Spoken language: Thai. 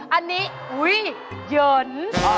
อันนี้อุ๊ยเหยิน